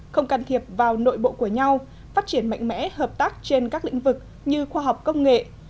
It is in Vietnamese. không can thiệp vào nội bộ của nhau phát triển mạnh mẽ hợp tác trên các lĩnh vực như khoa học công nghệ